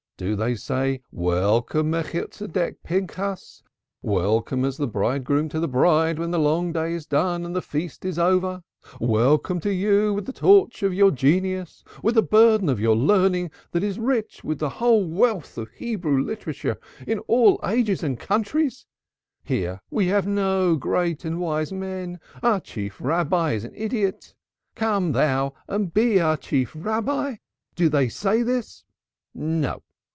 Do they say: 'Welcome, Melchitsedek Pinchas, welcome as the bridegroom to the bride when the long day is done and the feast is o'er; welcome to you, with the torch of your genius, with the burden of your learning that is rich with the whole wealth of Hebrew literature in all ages and countries. Here we have no great and wise men. Our Chief Rabbi is an idiot. Come thou and be our Chief Rabbi?' Do they say this? No!